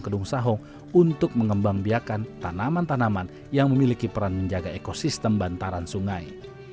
rizky berkontrol di ciliwung kedung sahong untuk mengembang biakan tanaman tanaman yang memiliki peran menjaga ekosistem bantaran sungai